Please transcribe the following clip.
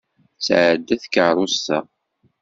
Tetɛedda tkeṛṛust-a!